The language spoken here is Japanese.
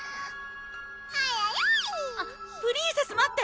あっプリンセス待って！